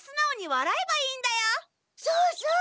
そうそう。